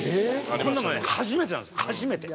こんなのね初めてなんです初めて。